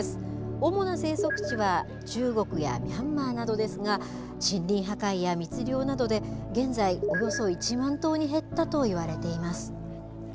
主な生息地は中国やミャンマーなどですが森林破壊や密猟などで現在、およそ１万頭に減ったと言われています。